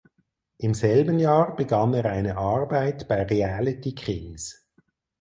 Im selben Jahr begann er eine Arbeit bei Reality Kings.